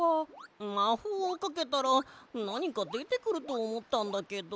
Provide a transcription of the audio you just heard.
まほうをかけたらなにかでてくるとおもったんだけど。